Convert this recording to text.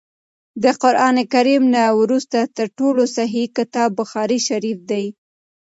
د قران کريم نه وروسته تر ټولو صحيح کتاب بخاري شريف دی